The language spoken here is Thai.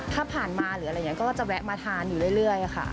ถ้าผ่านมาหรืออะไรอย่างนี้ก็จะแวะมาทานอยู่เรื่อยค่ะ